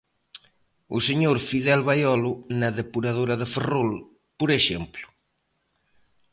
O señor Fidel Baiolo na depuradora de Ferrol, por exemplo.